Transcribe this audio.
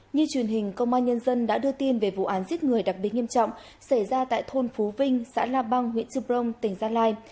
như truyền hình công an nhân dân đã đưa tin về vụ án giết người đặc biệt nghiêm trọng xảy ra tại thôn phú vinh xã la huyện trư brông tỉnh gia lai